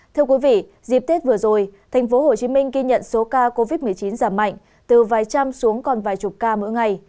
thưa quý vị dịp tết vừa rồi tp hcm ghi nhận số ca covid một mươi chín giảm mạnh từ vài trăm xuống còn vài chục ca mỗi ngày